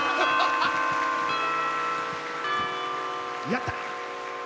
やった！